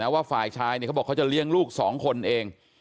ว่าฝ่ายชายเขาบอกเขาจะเลี้ยงลูก๒คนเอง